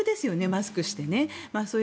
マスクしてね。